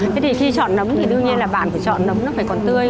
thế thì khi chọn nấm thì đương nhiên là bạn phải chọn nấm nó phải còn tươi